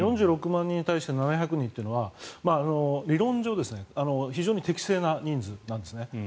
４６万人に対して７００人というのは理論上非常に適正な人数なんですね。